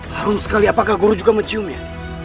harum sekali apakah guru juga menciumnya